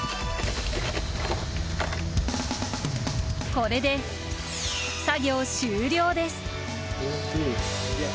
これで作業終了です。